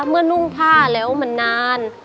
เมื่อนุ่งผ้าแล้วมันนาน